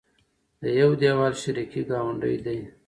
د يو دېول شریکې ګاونډۍ دي